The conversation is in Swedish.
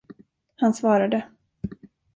Han svarade.